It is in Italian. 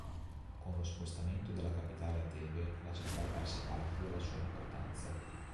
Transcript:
Con lo spostamento della capitale a Tebe la città perse parte della sua importanza.